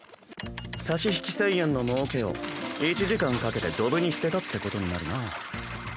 差し引き１０００円のもうけを１時間かけてドブに捨てたってことになるな。